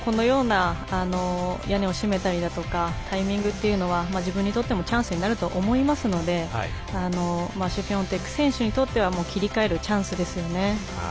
屋根を閉めたりだとかそういうタイミングは自分にとってもチャンスになると思いますのでシフィオンテク選手にとっては切り替えるチャンスですよね。